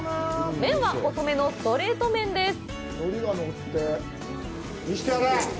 麺は細めのストレート麺です。